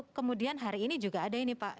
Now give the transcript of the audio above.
kemudian hari ini juga ada ini pak